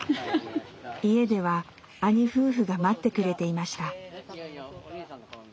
家では兄夫婦が待ってくれていました。